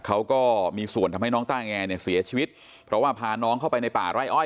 เขาก็มีส่วนทำให้น้องต้าแงเนี่ยเสียชีวิตเพราะว่าพาน้องเข้าไปในป่าไร่อ้อย